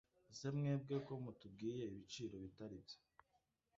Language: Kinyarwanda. ese mwebwe komutubwiye ibiciro bitaribyo